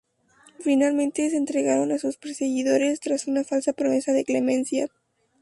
Finalmente se entregaron a sus perseguidores, tras una falsa promesa de clemencia.